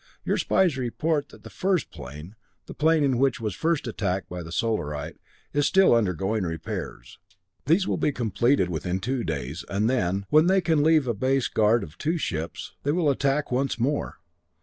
Your spies report that the first plane, the plane which was first attacked by the Solarite, is still undergoing repairs. These will be completed within two days, and then, when they can leave a base guard of two ships, they will attack once more.